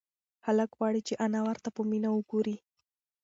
هلک غواړي چې انا ورته په مینه وگوري.